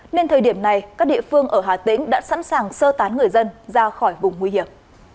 nên thời điểm này các địa phương ở hà tĩnh đã sẵn sàng sơ tán người dân ra khỏi vùng nguy hiểm